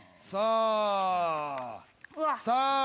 さあ。